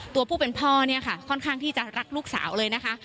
ตัวผู้เป็นพ่อเนี่ยค่ะค่อนข้างที่จะรักลูกสาวเลยนะคะ